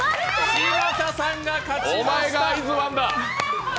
嶋佐さんが勝ちました。